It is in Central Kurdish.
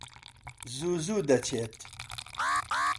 زوو زوو دەچیت؟